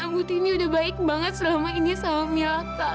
butini udah baik banget selama ini sama mila